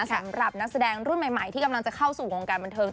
สำหรับนักแสดงรุ่นใหม่ที่กำลังจะเข้าสู่วงการบันเทิง